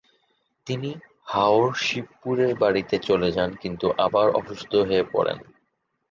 তিনি হাওড়ার শিবপুরের বাড়িতে চলে যান কিন্তু আবার অসুস্থ হয়ে পড়েন।